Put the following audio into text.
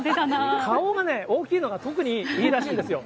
顔がね、大きいのが特にいいらしいんですよ。